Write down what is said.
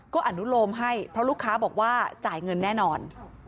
ก็อนุโลมให้เพราะลูกค้าบอกว่าจ่ายเงินแน่นอน